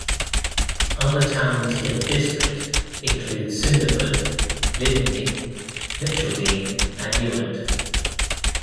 Other towns in the district include Cinderford, Lydney, Mitcheldean and Newent.